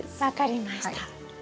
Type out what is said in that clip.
分かりました。